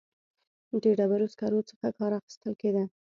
د ډبرو سکرو څخه کار اخیستل کېده.